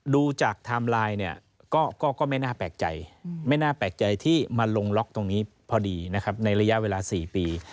ดูจากไทม์ไลน์ก็ไม่น่าแปลกใจที่มาลงล็อคตรงนี้พอดีในระยะเวลา๔ปี